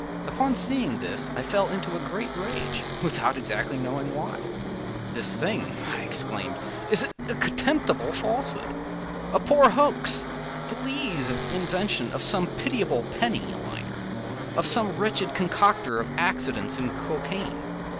” Upon seeing this I fell into a great rage, without exactly knowing why. “This thing,” I exclaimed, “is a contemptible falsehood—a poor hoax—the lees of the invention of some pitiable penny a liner—of some wretched concoctor of accidents in Cocaigne.